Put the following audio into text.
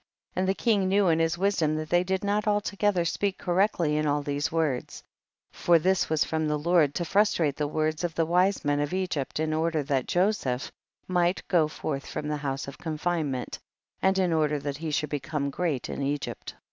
25. And the king knew in his wis dom that they did not altogether speak correctly in all these words, for this was from the Lord to frus trate the words of the wise men of Egypt, in order that Joseph might go forth from the house of confinement, and in order that he should become great in Egypt.